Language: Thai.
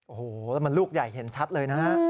โอ้โหแล้วมันลูกใหญ่เห็นชัดเลยนะฮะ